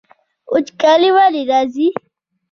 وچکالي ولې راځي؟